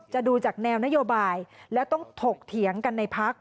ดูจากแนวนโยบายและต้องถกเถียงกันในพัก